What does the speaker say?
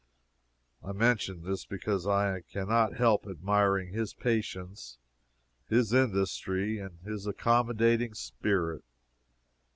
I mention this because I can not help admiring his patience, his industry, and his accommodating spirit.